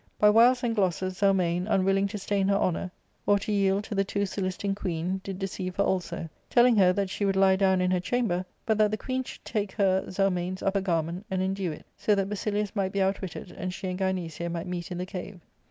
By wiles and glosses Zel mane, unwilling to stain her honour, or to yield to the too soliciting queen, did deceive her also, telling her that she would lie down in her chamber, but that the queen should take her (Zelmane's) upper garment, and endue it, so that Basilius might be outwitted, and she and Gynecia might meet in the cave.